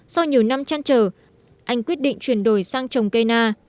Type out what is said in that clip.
sau nhiều năm chăn trở anh quyết định chuyển đổi sang trồng cây na